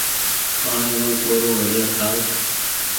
پآڻيٚ رو ڪورو گھڙيآ ڇآل